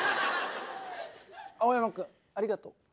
青山君ありがとう。